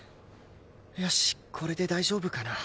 よしこれで大丈夫かな。